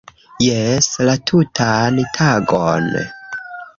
- Jes! - La tutan tagon